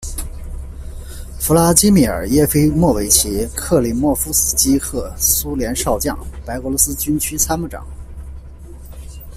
弗拉基米尔·叶菲莫维奇·克里莫夫斯基赫苏联少将、白俄罗斯军区参谋长。